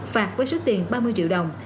phạt với số tiền ba mươi triệu đồng